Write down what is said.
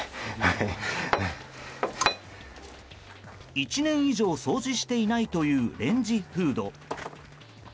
１年以上掃除していないというレンジフード。